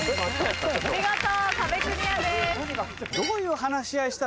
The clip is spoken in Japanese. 見事壁クリアです。